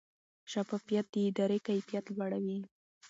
شفافیت د ادارې کیفیت لوړوي.